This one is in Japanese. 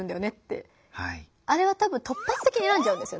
あれはたぶん突発的に選んじゃうんですよね。